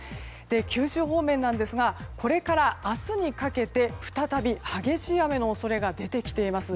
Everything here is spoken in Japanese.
九州方面なんですがこれから明日にかけて再び激しい雨の恐れが出てきています。